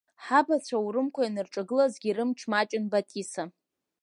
Ҳабацәа аурымқәа ианырҿагылазгьы рымч маҷын Батиса!